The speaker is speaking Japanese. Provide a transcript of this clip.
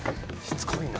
しつこいな。